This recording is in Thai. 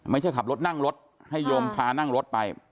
ขับรถนั่งรถให้โยมพานั่งรถไป